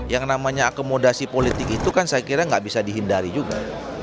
yang namanya akomodasi politik itu kan saya kira nggak bisa dihindari juga